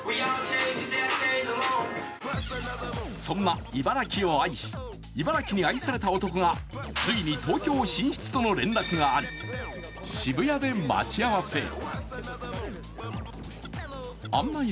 そんな茨城を愛し、茨城に愛された男がついに東京進出との連絡があり渋谷で待ち合わせ。